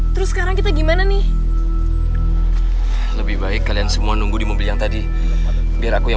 terus sekarang kita gimana nih lebih baik kalian semua nunggu di mobil yang tadi biar aku yang